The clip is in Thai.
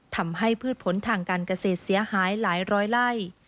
พืชผลทางการเกษตรเสียหายหลายร้อยไล่